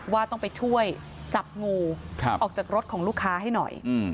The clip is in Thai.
ว่าต้องไปช่วยจับงูออกจากรถของลูกค้าให้หน่อย